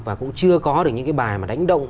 và cũng chưa có được những cái bài mà đánh động